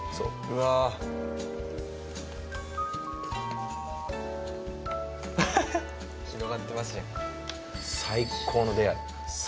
うわ広がってますよ最高の出会い